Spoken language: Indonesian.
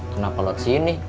kenapa lewat sini